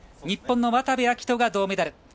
日本の渡部暁斗が銅メダル。